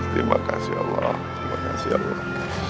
terima kasih allah